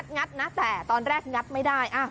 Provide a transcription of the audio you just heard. งัดนะแต่ตอนแรกงัดไม่ได้